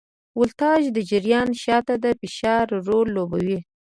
ولتاژ د جریان شاته د فشار رول لوبوي.